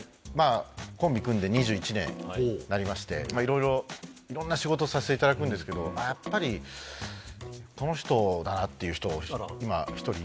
コンビ組んで２１年になりましていろいろいろんな仕事させていただくんですけどやっぱり。っていう人を今１人いまして。